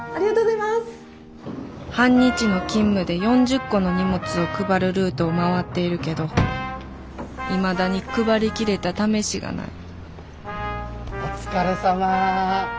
半日の勤務で４０個の荷物を配るルートを回っているけどいまだに配りきれたためしがないお疲れさま。